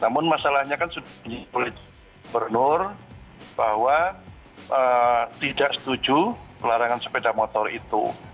namun masalahnya kan sudah dikeluarkan gubernur bahwa tidak setuju larangan sepeda motor itu